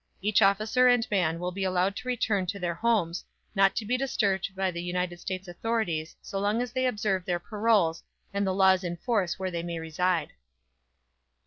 Each officer and man will be allowed to return to their homes, not to be disturbed by the United States authorities so long as they observe their paroles and the laws in force where they may reside."